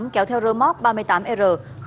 kéo theo rơ móc ba mươi tám r năm năm